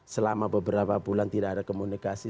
selama beberapa bulan tidak ada komunikasi